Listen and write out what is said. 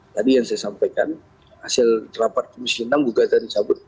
tadi yang saya sampaikan hasil rapat komisi enam gugatan dicabut